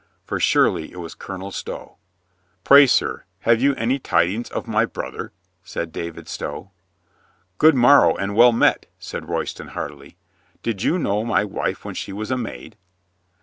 For surely it was Colonel Stow. "Pray, sir, have you any tidings of my brother?" said David Stow. "Good morrow and well met," said Royston heartily. "Did you know my wife when she was a maid?"